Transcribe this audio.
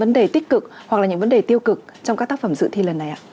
vấn đề tích cực hoặc là những vấn đề tiêu cực trong các tác phẩm dự thi lần này ạ